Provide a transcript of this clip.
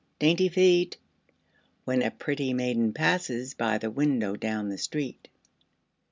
"Dainty feet!" When a pretty maiden passes By the window down the street.